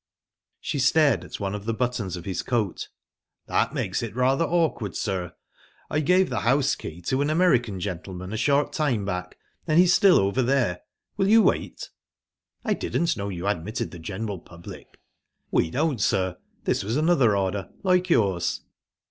She stared at one of the buttons of his coat. "That makes it rather awkward, sir. I gave the house key to an American gentleman a short time back, and he's still over there. Will you wait?" "I didn't know you admitted the general public." "We don't, sir. This was another order, like yours."